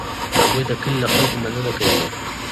هغه د کلي له خلکو مننه کوي.